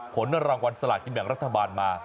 ผลรางวัลสลากินแบ่งรัฐบาลมา